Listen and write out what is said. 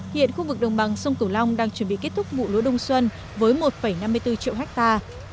hiện khu vực đồng bằng sông cửu long đang chuẩn bị kết thúc vụ lúa đông xuân với một năm mươi bốn triệu hectare